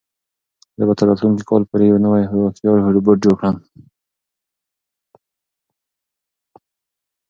زه به تر راتلونکي کال پورې یو نوی او هوښیار روبوټ جوړ کړم.